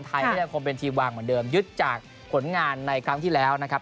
ไทยก็ยังคงเป็นทีมวางเหมือนเดิมยึดจากผลงานในครั้งที่แล้วนะครับ